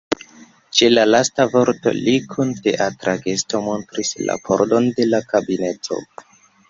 Ĉe la lasta vorto li kun teatra gesto montris la pordon de la kabineto.